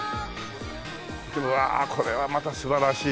うわあこれはまた素晴らしい。